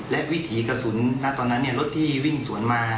และวิถีกระสุนตอนนั้นรถที่วิ่งสวนมา